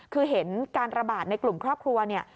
คือเห็นการระบาดในกลุ่มครอบครัวเนี่ย